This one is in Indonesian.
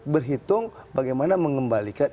berhitung bagaimana mengembalikan